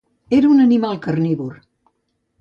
Era un animal carnívor.